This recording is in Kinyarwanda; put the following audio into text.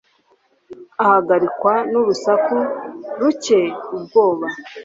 Ahagarikwa n'urusaku rutcye ubwoba.